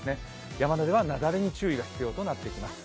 山などでは雪崩に注意が必要となってきます。